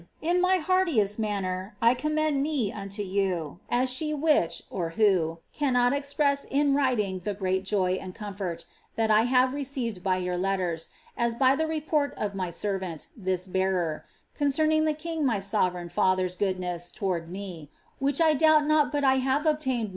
" In my heartiest manner I commend me unto you as she icAi'dk (who) rasxxic express in wririnp the great joy and comfort that I have received by vour Ie:vrs» as by the re])ort ni' my ser\ Hnt (this bearer), concerning the king m'v s^jxtreji father's goiKhiess towards me, which I doubt not but I have obtained mi>.